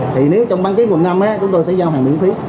thì nếu trong ban kết quận năm á chúng tôi sẽ giao hàng miễn phí